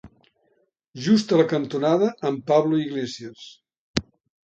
Just a la cantonada amb Pablo Iglesias.